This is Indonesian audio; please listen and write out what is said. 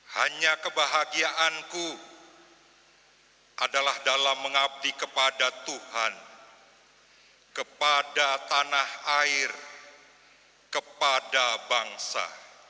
hanya kebahagiaanku adalah dalam mengabdi kepada tuhan kepada tanah air kepada bangsa